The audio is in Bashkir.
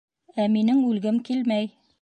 — Ә минең үлгем килмәй.